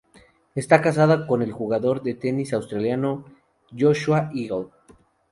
Está casada con el jugador de tenis australiano Joshua Eagle.